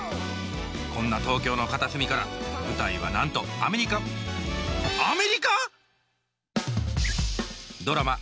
こんな東京の片隅から舞台はなんとアメリカドラマ